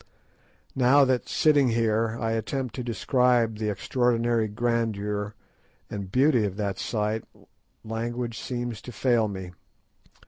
Now that, sitting here, I attempt to describe the extraordinary grandeur and beauty of that sight, language seems to fail me.